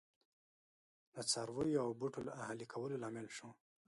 د څارویو او بوټو اهلي کولو لامل شو